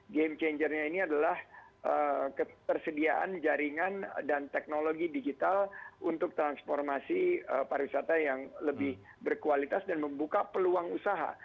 game changernya ini adalah ketersediaan jaringan dan teknologi digital untuk transformasi pariwisata yang lebih berkualitas dan membuka peluang usaha